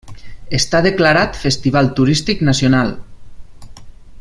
Està declarat Festival Turístic Nacional.